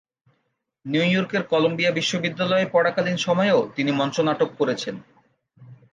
নিউইয়র্কের কলম্বিয়া বিশ্ববিদ্যালয়ে পড়াকালীন সময়েও তিনি মঞ্চনাটক করেছেন।